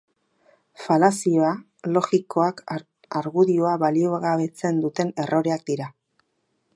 Falazia logikoak argudioa baliogabetzen duten erroreak dira.